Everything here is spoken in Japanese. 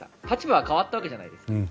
立場が変わったわけじゃないですか。